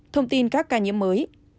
một thông tin các ca nhiễm mới